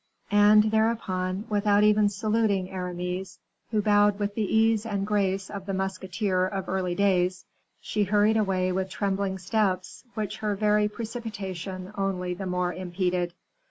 And, thereupon, without even saluting Aramis, who bowed with the ease and grace of the musketeer of early days, she hurried away with trembling steps, which her very precipitation only the more impeded.